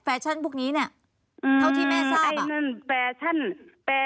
แฟชั่นพวกนี้เท่าที่แม่ทราบ